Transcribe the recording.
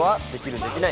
できない？